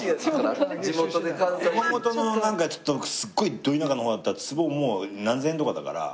熊本のなんかちょっとすっごいど田舎の方だったら坪もう何千円とかだから。